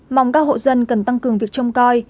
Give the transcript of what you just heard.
mong các hộ dân cần tăng cường việc trông coi